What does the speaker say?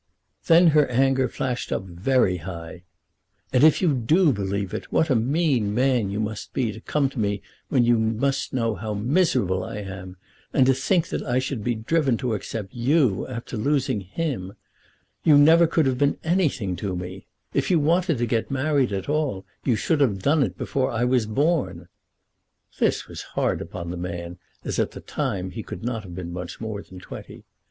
Then her anger flashed up very high. "And if you do believe it, what a mean man you must be to come to me when you must know how miserable I am, and to think that I should be driven to accept you after losing him! You never could have been anything to me. If you wanted to get married at all, you should have done it before I was born." This was hard upon the man, as at that time he could not have been much more than twenty.